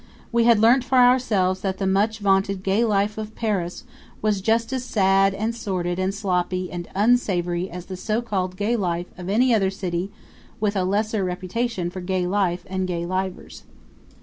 We had learned for ourselves that the much vaunted gay life of Paris was just as sad and sordid and sloppy and unsavory as the so called gay life of any other city with a lesser reputation for gay life and gay livers.